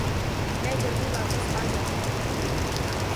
میں جلدی داپس آجاؤنگا ۔